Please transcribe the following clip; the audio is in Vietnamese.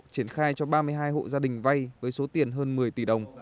triển khai cho ba mươi hai hộ gia đình vay với số tiền hơn một mươi tỷ đồng